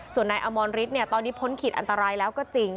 ส่วนนายอมรฤทธิ์ตอนนี้พ้นขีดอันตรายแล้วก็จริง